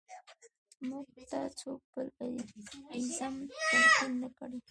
موږ ته څوک بل ایزم تلقین نه کړي.